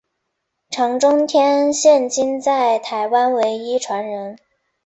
常中天现今在台湾唯一传人。